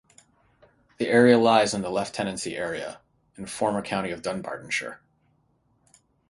The area lies in the Lieutenancy area and former county of Dunbartonshire.